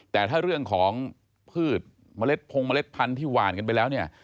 แต่ถ้าเรื่องของพืชเมล็ดพงเมล็ดพันธุ์ที่หวานกันไปแล้วเนี่ย